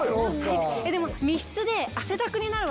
でも。